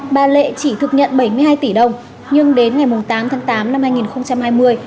bà lệ chỉ thực nhận bảy mươi hai tỷ đồng nhưng đến ngày tám tháng tám năm hai nghìn hai mươi